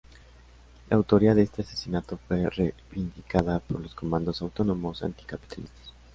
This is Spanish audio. La autoría de este asesinato fue reivindicada por los Comandos Autónomos Anticapitalistas.